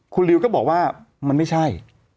คุณลิวก็บอกว่ามันไม่ใช่